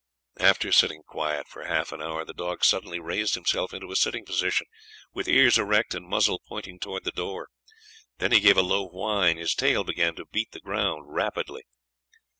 After sitting quiet for half an hour the dog suddenly raised himself into a sitting position, with ears erect and muzzle pointed towards the door; then he gave a low whine, and his tail began to beat the ground rapidly.